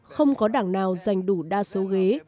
không có đảng nào dành đủ đa số ghế